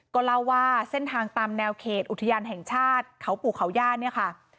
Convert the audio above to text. ก็เล่าว่าเส้นทางตามแนวเขตอุทยานแห่งชาติเขาปู่เขาย่านเนี่ยค่ะ